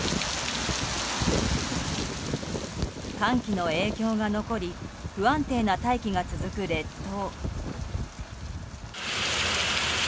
寒気の影響が残り不安定な大気が続く列島。